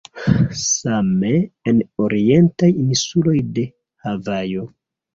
Same en orientaj insuloj de Havajo.